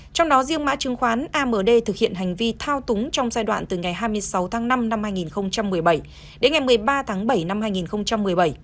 trong đó riêng mã chứng khoán amd thực hiện hành vi thao túng trong giai đoạn từ ngày hai mươi sáu tháng năm năm hai nghìn một mươi bảy đến ngày một mươi ba tháng bảy năm hai nghìn một mươi bảy